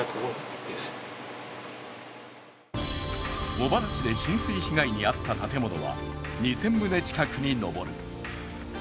茂原市で浸水被害に遭った建物は２０００棟近くに上る。